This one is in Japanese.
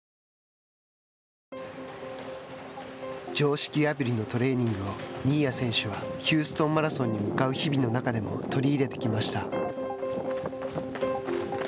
常識破りのトレーニングを新谷選手はヒューストンマラソンに向かう日々の中でも取り入れてきました。